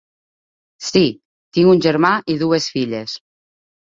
Sí, tinc un germà i dues filles.